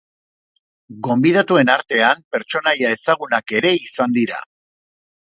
Gonbidatuen artean, pertsonaia ezagunak ere izan dira.